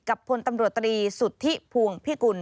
กับผลตำรวจตรีสุทธิภูมิพิกุล